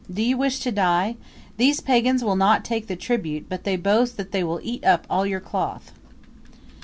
Do you wish to die? These pagans will not take the tribute, but they boast that they will eat up all your cloth."